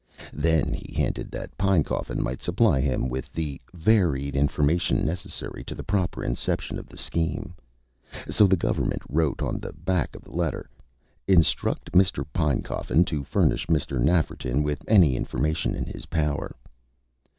Then he hinted that Pinecoffin might supply him with the "varied information necessary to the proper inception of the scheme." So the Government wrote on the back of the letter: "Instruct Mr. Pinecoffin to furnish Mr. Nafferton with any information in his power."